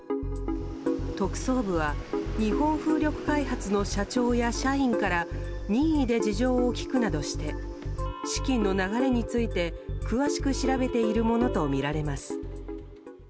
特捜部は日本風力開発の社長や社員から任意で事情を聴くなどして資金の流れについて詳しく調べているものとみられます。